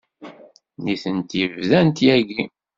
Nitenti bdant yagi.